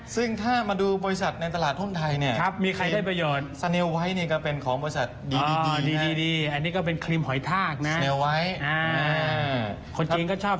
ซึ่งถ้ามาดูบริษัทในตลาดห้นไทยเนี่ยครับมีใครได้ประโยชน์